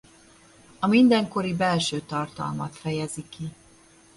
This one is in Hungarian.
A mindenkori belső tartalmat fejezi ki.